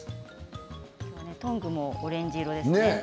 今日はトングもオレンジ色ですね。